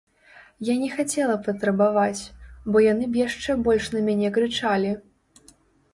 Я не хацела патрабаваць, бо яны б яшчэ больш на мяне крычалі.